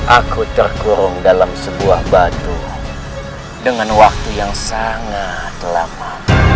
aku terkurung dalam sebuah batu dengan waktu yang sangat lama